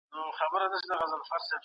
زه غواړم نوي او ګټور معلومات ترلاسه کړم.